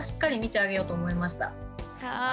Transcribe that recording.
はい。